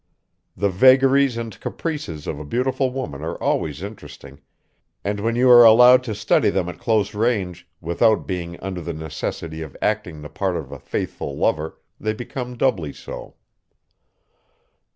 The vagaries and caprices of a beautiful woman are always interesting, and when you are allowed to study them at close range without being under the necessity of acting the part of a faithful lover they become doubly so.